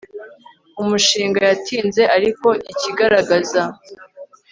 umushinga yatinze ariko ikagaragaza